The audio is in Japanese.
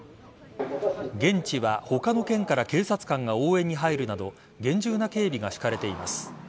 現地は、他の県から警察官が応援に入るなど厳重な警備が敷かれています。